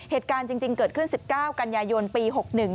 เหตุการณ์จริงเกิดขึ้น๑๙กันยายนปี๖๑